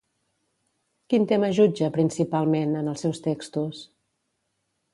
Quin tema jutja, principalment, en els seus textos?